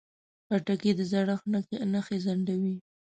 خټکی د زړښت نښې ځنډوي.